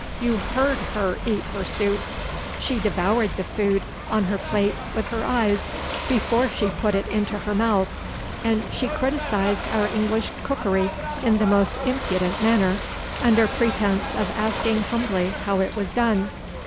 You heard her eat her soup. She devoured the food on her plate with her eyes before she put it into her mouth; and she criticised our English cookery in the most impudent manner, under pretense of asking humbly how it was done.